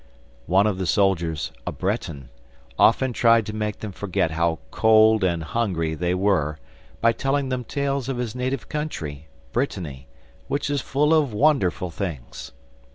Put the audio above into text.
One of the soldiers, a Breton, often tried to make them forget how cold and hungry they were by telling them tales of his native country, Brittany, which is full of wonderful things.